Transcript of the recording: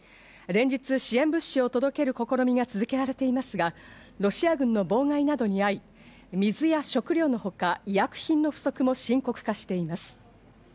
連日、支援物資を届ける試みが続けられていますが、ロシア軍の妨害などに遭い、水や食料のほか医薬品の不足も深刻化しています。